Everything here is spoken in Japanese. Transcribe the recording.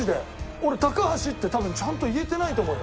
俺「高橋」って多分ちゃんと言えてないと思うよ。